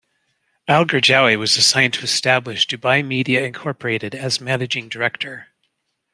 Al Gergawi was assigned to establish Dubai Media Incorporated as Managing Director.